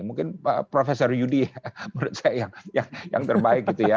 mungkin profesor yudi menurut saya yang terbaik